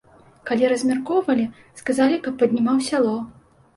Калі размяркоўвалі, сказалі, каб паднімаў сяло.